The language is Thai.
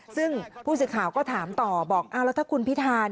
ซึ่งผู้สิทธิ์ข่าวก็ถามต่อบอกแล้วถ้าคุณพิทธา